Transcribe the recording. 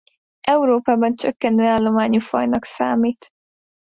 Európában csökkenő állományú fajnak számít.